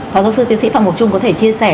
phó giáo sư tiến sĩ phạm ngọc trung có thể chia sẻ